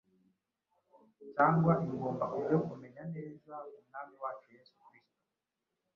cyangwa ingumba ku byo kumenya neza Umwami wacu Yesu Kristo